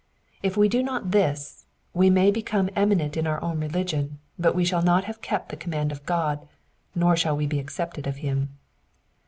If we do not this, we may become eminent in our own religion, but we shall not have kept the command of God, nor shall we be accepted of him.